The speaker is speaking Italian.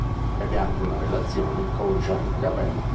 Ebbe anche una relazione con Jean Gabin